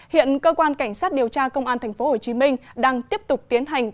hiện cơ quan cảnh sát điều tra công an tp hcm đang tiếp tục tiến hành